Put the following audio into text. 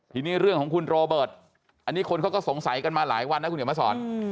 ทีนี้เรื่องของคุณโรเบิร์ตอันนี้คนเขาก็สงสัยกันมาหลายวันนะคุณเดี๋ยวมาสอน